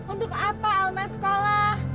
untuk apa alma sekolah